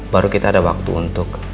baru kita ada waktu untuk